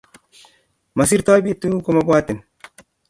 Masirtoi betut komabwatin